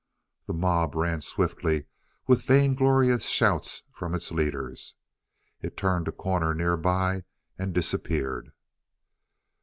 The mob ran swiftly, with vainglorious shouts from its leaders. It turned a corner nearby and disappeared.